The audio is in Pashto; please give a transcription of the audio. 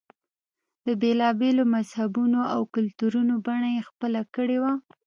د بېلا بېلو مذهبونو او کلتورونو بڼه یې خپله کړې وه.